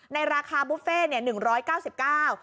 ในราคาบุฟเฟต์เนี่ย๑๙๙บาท